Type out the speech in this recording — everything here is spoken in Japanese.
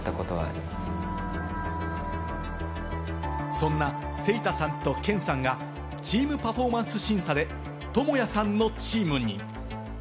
そんなセイタさんとケンさんが、チーム・パフォーマンス審査でトモヤさんのチームに。